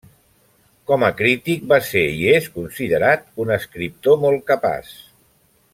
Com a crític, va ser i és considerat un escriptor molt capaç.